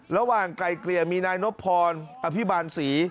ระหว่างไกล่เกลียร์มีนายนพรอภิบาลศรี